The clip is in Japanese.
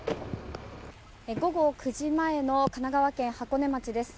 午後９時前の神奈川県箱根町です。